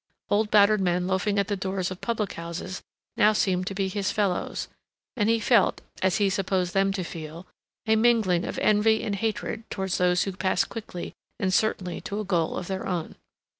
Old battered men loafing at the doors of public houses now seemed to be his fellows, and he felt, as he supposed them to feel, a mingling of envy and hatred towards those who passed quickly and certainly to a goal of their own.